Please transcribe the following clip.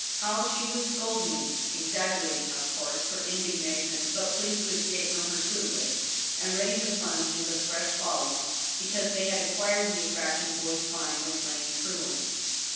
how she would scold me !"— exag gerating, of course, her indignation, but pleased to escape from her tutelage, and ready to plunge into fresh follies, because they had acquired the attraction boys find in playing truant.